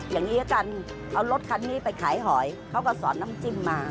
อย่างนี้ละกันเอารถคันนี้ไปขายหอยเขาก็สอนน้ำจิ้มมา